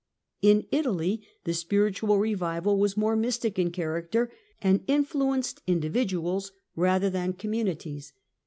In Italy the spiritual revival was more mystic in Mysticis character, and influenced individuals rather than com ^^^^^^^ munities.